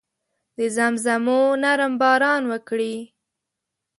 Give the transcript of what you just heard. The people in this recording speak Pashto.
د زمزمو نرم باران وکړي